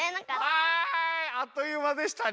はいあっというまでしたね。